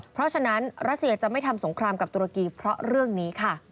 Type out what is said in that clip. เพราะฉะนั้นรัสเซียจะไม่ทำสงครามกับตุรกีเพราะเรื่องนี้ค่ะ